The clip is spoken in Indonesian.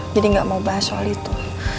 jadi gak mau bahas soal itu